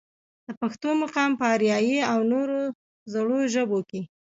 د پښتو مقام پۀ اريائي او نورو زړو ژبو کښې